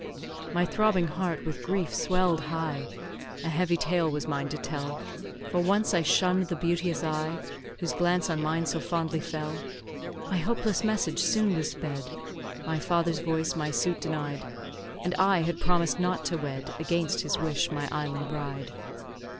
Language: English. My throbbing heart with grief swell'd high, A heavy tale was mine to tell; For once I shunn'd the beauteous eye, Whose glance on mine so fondly fell. My hopeless message soon was sped, My father's voice my suit denied; And I had promised not to wed, Against his wish, my island bride.